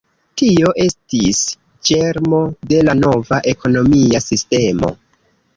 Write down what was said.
Tio estis ĝermo de la nova ekonomia sistemo.